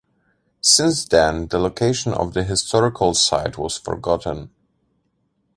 Since then, the location of the historical site was forgotten.